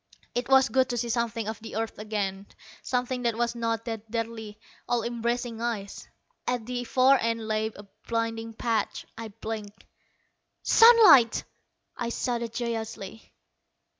It was good to see something of the earth again, something that was not that deadly, all embracing ice. At the far end lay a blinding patch. I blinked. "Sunlight!" I shouted joyously.